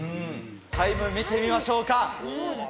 タイム見てみましょうか。